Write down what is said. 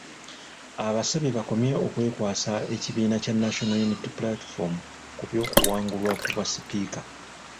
Abasabye bakomye okwekwasa ekibiina kya National Unity Platform ku by’okuwangulwa ku bwasipiika.